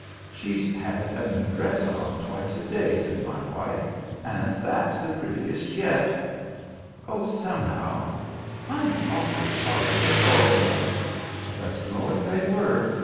"She's had a new dress on twice a day," said my wife, "but that's the prettiest yet. Oh, somehow—I'm awfully sorry they're going!" But going they were.